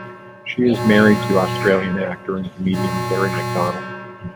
She is married to Australian actor and comedian Garry McDonald.